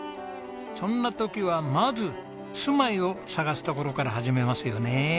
そんな時はまず住まいを探すところから始めますよね。